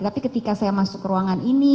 tapi ketika saya masuk ke ruangan ini